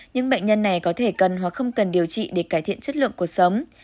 những bệnh nhân này có thể cần hoặc không cần điều trị để cải thiện chất lượng cuộc sống